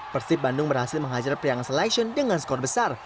persib bandung berhasil menghajar priang selection dengan skor besar